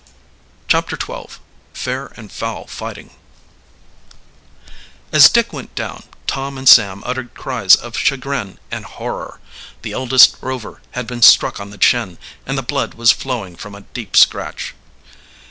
CHAPTER XII FAIR AND FOUL FIGHTING As Dick went down, Tom and Sam uttered cries of chagrin and horror. The eldest Rover had been struck on the chin, and the blood was flowing from a deep scratch.